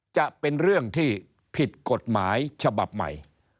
จะเป็นเรื่องที่ผิดกฎหมายฉบับใหม่